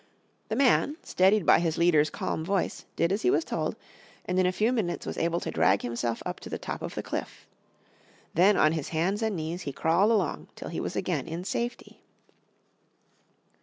The man, steadied by his leader's calm voice, did as he was told and in a few minutes was able to drag himself up to the top of the cliff. Then on his hands and knees he crawled along till he was again in safety.